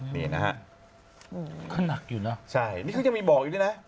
นี่นะฮะใช่นี่เขายังมีบอกอยู่ด้วยนะ